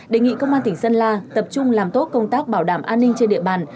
đề nghị công an tỉnh sơn la tập trung làm tốt công tác bảo đảm an ninh trên địa bàn